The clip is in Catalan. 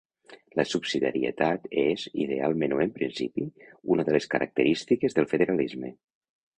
La subsidiarietat és, idealment o en principi, una de les característiques del federalisme.